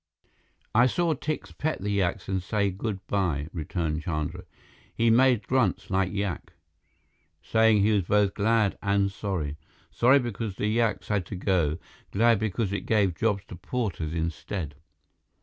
"I saw Tikse pet the yaks and say good by," returned Chandra. "He made grunts, like yak, saying he was both glad and sorry. Sorry because yaks had to go. Glad because it gave jobs to porters instead."